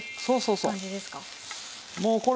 そうそうそう。